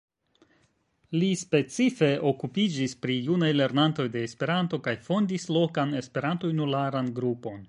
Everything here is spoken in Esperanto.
Li specife okupiĝis pri junaj lernantoj de Esperanto kaj fondis lokan Esperanto-junularan grupon.